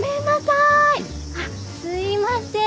あっすいません。